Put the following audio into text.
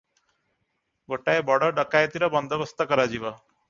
ଗୋଟାଏ ବଡ଼ ଡକାଏତିର ବନ୍ଦୋବସ୍ତ କରାଯିବ ।